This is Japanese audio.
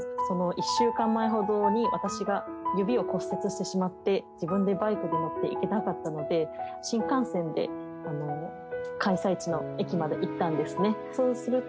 その１週間前ほどに私が指を骨折してまって自分でバイクで行けなかったので新幹線で開催地の駅まで行ったんですね。